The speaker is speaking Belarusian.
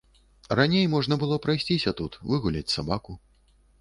Раней можна было прайсціся тут, выгуляць сабаку.